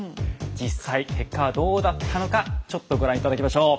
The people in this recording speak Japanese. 実際結果はどうだったのかちょっとご覧頂きましょう。